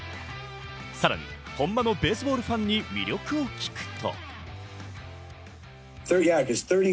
さらに本場のベースボールファンに魅力を聞くと。